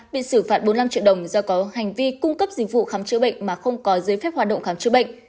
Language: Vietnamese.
bị xử phạt bốn mươi năm triệu đồng do có hành vi cung cấp dịch vụ khám chữa bệnh mà không có giấy phép hoạt động khám chữa bệnh